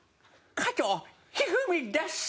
加藤一二三でっす。